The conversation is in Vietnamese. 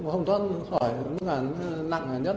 hôm trước khỏi cũng là nặng nhất